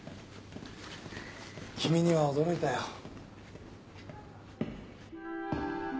君には驚いたよ。